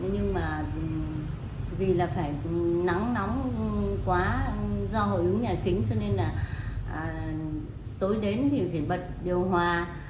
nhưng mà vì là phải nắng nóng quá do hội ứng nhà kính cho nên là tối đến thì phải bật điều hòa